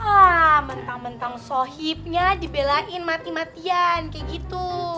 wah mentang mentang sohibnya dibelain mati matian kayak gitu